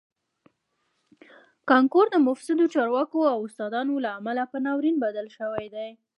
کانکور د مفسدو چارواکو او استادانو له امله په ناورین بدل شوی دی